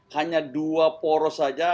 hanya dua poros saja